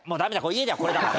家ではこれだから。